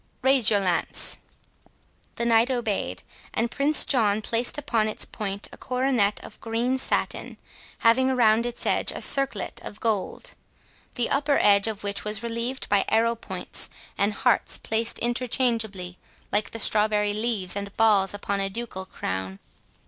—Raise your lance." The Knight obeyed; and Prince John placed upon its point a coronet of green satin, having around its edge a circlet of gold, the upper edge of which was relieved by arrow points and hearts placed interchangeably, like the strawberry leaves and balls upon a ducal crown.